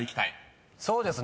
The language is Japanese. そうですね。